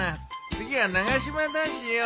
次は長嶋だしよ。